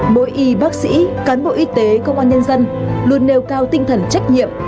mỗi y bác sĩ cán bộ y tế công an nhân dân luôn nêu cao tinh thần trách nhiệm